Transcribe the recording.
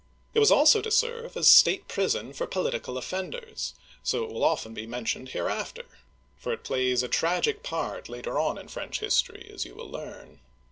It was also to serve as state prison for polit ical offenders, so it will often be mentioned hereafter, for it plays a tragic part later on in French history, as you will learn.